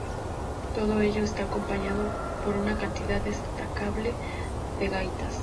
Todo ello está acompañado por una cantidad destacable de gaitas.